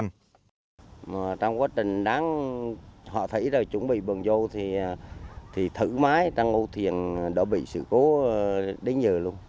trong quá trình đáng họa thủy rồi chuẩn bị bừng vô thì thử máy trong ngô thiền đã bị sự cố đến giờ luôn